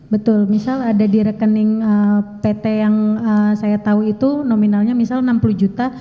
betul misal ada di rekening pt yang saya tahu itu nominalnya misal enam puluh juta